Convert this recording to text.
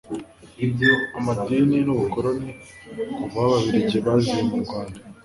amadini n'ubukoloni kuva aho ababiligi baziye mu rwanda